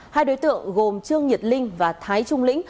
hai đối tượng gồm trương nhật linh và thái trung lĩnh